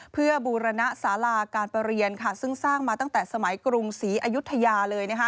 เพื่อบูรณสาราการประเรียนซึ่งสร้างมาตั้งแต่สมัยกรุงศรีอายุทยาเลย